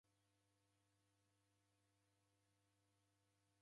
Hare yamila kofia yapo.